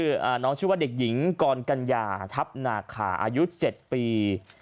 อ่าน้องชื่อว่าเด็กหญิงกรกัญญาทัพนาคาอายุเจ็ดปี